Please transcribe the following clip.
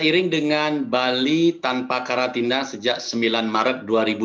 seiring dengan bali tanpa karatina sejak sembilan maret dua ribu dua puluh dua